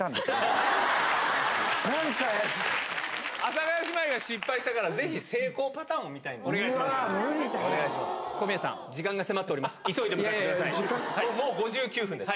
阿佐ヶ谷姉妹が失敗したから、ぜひ成功パターンを見たいんです。